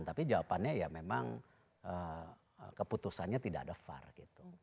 tapi jawabannya ya memang keputusannya tidak ada far gitu